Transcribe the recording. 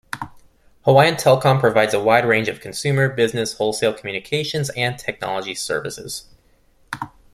Hawaiian Telcom provides a wide range of consumer, business, wholesale communications and technology services.